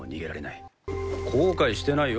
後悔してないよ